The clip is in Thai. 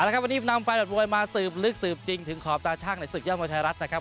แล้วครับวันนี้นำแฟนมวยมาสืบลึกสืบจริงถึงขอบตาช่างในศึกยอดมวยไทยรัฐนะครับ